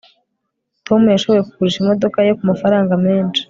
tom yashoboye kugurisha imodoka ye kumafaranga menshi